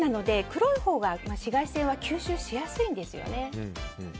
黒いほうが紫外線は吸収しやすいんですよね。